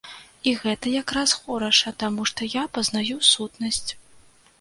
І гэта якраз хораша, таму што я пазнаю сутнасць.